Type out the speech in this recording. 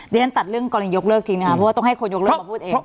เรียนตัดเรื่องกรณียกเลิกทิ้งนะครับเพราะว่าต้องให้คนยกเลิกมาพูดเอง